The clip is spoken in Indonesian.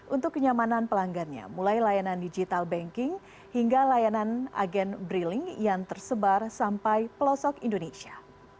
untuk kenyamanan pelanggannya mulai layanan digital banking hingga layanan agen briling yang tersebar sampai pelosok indonesia